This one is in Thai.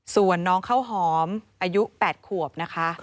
ส่วนน้องข้าวหอมอายุ๘ขวบนะคะ